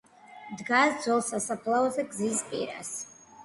დგას ძველ სასაფლაოზე, გზის პირას.